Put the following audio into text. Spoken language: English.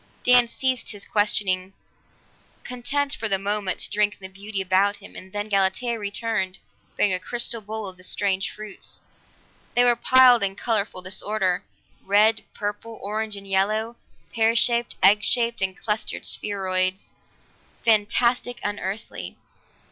Dan ceased his questioning, content for the moment to drink in the beauty about him and then Galatea returned bearing a crystal bowl of the strange fruits. They were piled in colorful disorder, red, purple, orange and yellow, pear shaped, egg shaped, and clustered spheroids fantastic, unearthly.